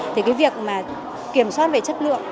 thì cái việc mà kiểm soát về chất lượng